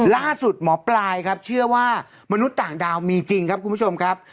หมอปลายครับเชื่อว่ามนุษย์ต่างดาวมีจริงครับคุณผู้ชมครับ